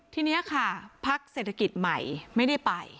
ทีนี้ค่ะพักเศรษฐกิจใหม่ไม่ได้ไป